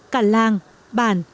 cả làng bàn